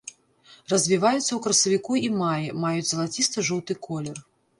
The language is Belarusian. Развіваюцца ў красавіку і маі, маюць залаціста-жоўты колер.